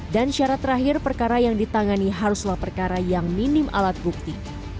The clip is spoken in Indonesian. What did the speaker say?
dan syarat terakhir perkara yang ditangani haruslah perkara yang minim alat bukti